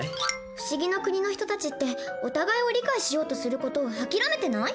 不思議の国の人たちってお互いを理解しようとする事を諦めてない？